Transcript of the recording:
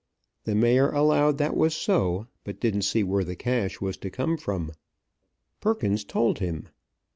The mayor allowed that was so, but didn't see where the cash was to come from. Perkins told him.